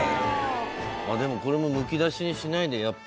でもこれもむき出しにしないでやっぱ。